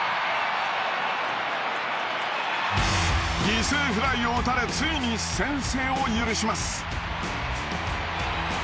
犠牲フライを打たれついに先制を許します。